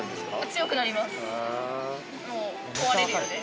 強くなります。